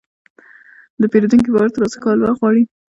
د پیرودونکي باور ترلاسه کول وخت غواړي.